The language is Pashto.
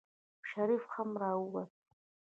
شريف هم راووت.